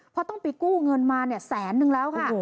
เพราะต้องไปกู้เงินมาเนี่ยแสนนึงแล้วค่ะ